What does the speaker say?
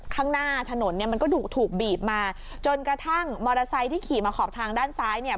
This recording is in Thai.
ข้างหน้าถนนเนี่ยมันก็ดุถูกบีบมาจนกระทั่งมอเตอร์ไซค์ที่ขี่มาขอบทางด้านซ้ายเนี่ย